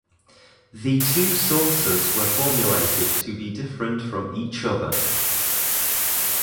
The two saucers were formulated to be different from each other.